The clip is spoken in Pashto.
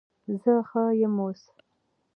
زه ښه یم اوس